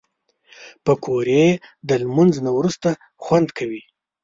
پکورې د لمونځ نه وروسته خوند کوي